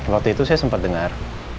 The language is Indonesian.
waktu itu saya sempat dengar